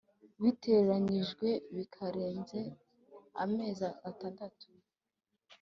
Biteranyijwe bikarenza amezi atandatu